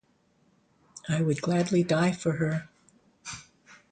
I would gladly die for her.